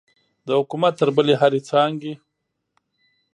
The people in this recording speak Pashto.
د حکومت تر بلې هرې څانګې.